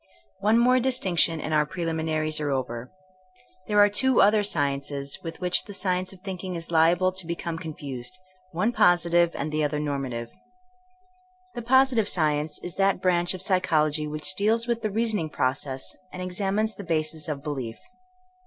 One more distinction and our preliminaries are over. There are two other sciences with which the science of thinking is liable to be come confused; one positive, the other norma tive. The positive science is that brandi of psychol ogy which deals with the reasoning process and examines the basis of belief.